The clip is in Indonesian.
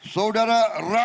saudara ra'uf purnama